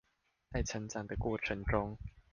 在成長的過程中